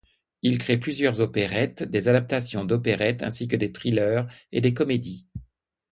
Il crée plusieurs opérettes, des adaptations d'opérettes, ainsi que des thrillers et des comédies.